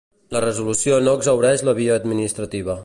La resolució no exhaureix la via administrativa.